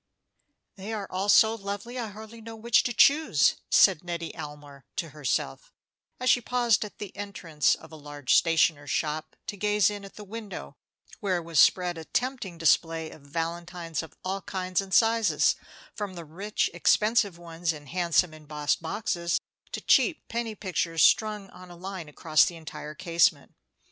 "They are all so lovely, I hardly know which to choose," said Nettie Almer to herself, as she paused at the entrance of a large stationer's shop to gaze in at the window, where was spread a tempting display of valentines of all kinds and sizes, from the rich, expensive ones in handsome embossed boxes to the cheap penny pictures strung on a line across the entire casement.